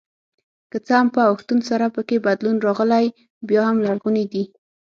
که څه هم په اوښتون سره پکې بدلون راغلی بیا هم لرغوني دي.